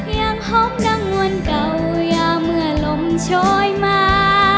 ยังพบนางงวนเก่ายาเมื่อลมโชยมา